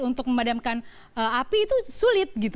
untuk memadamkan api itu sulit gitu